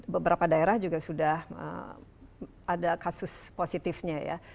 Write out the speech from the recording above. beberapa daerah juga sudah ada kasus positifnya ya